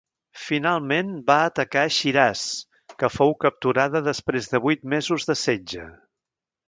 Finalment va atacar Shiraz que fou capturada després de vuit mesos de setge.